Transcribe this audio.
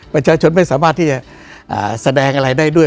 ประชาชนไม่สามารถที่จะแสดงอะไรได้ด้วย